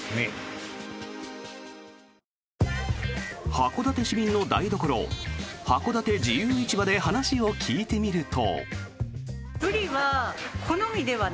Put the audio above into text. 函館市民の台所はこだて自由市場で話を聞いてみると。